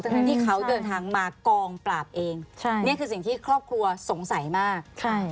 ทั้งที่เขาเดินทางมากองปราบเองใช่นี่คือสิ่งที่ครอบครัวสงสัยมาก